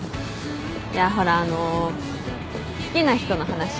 いやほらあの好きな人の話。